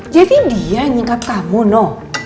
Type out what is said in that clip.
jadi dia yang nyekap kamu no